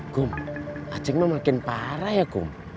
kum asingnya makin parah ya kum